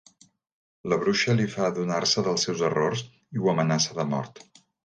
La Bruixa li fa adonar-se dels seus errors i ho amenaça de mort.